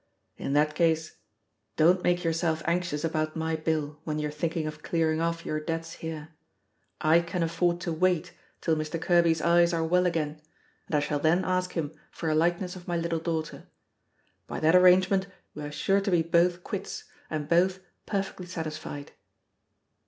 "in that case, don't make yourself anxious about my bill when you are thinking of clearing off your debts here. I can afford to wait till Mr. Kerby's eyes are well again, and I shall then ask him for a likeness of my little daughter. By that arrangement we are sure to be both quits, and both perfectly satisfied."